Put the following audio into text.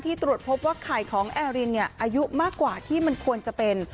ตรวจพบว่าไข่ของแอรินอายุมากกว่าที่มันควรจะเป็น